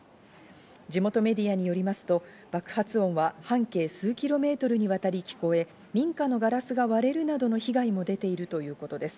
地元メディアによりますと、爆発音は半径数キロメートルにわたり聞こえ、民家のガラスが割れるなどの被害も出ているということです。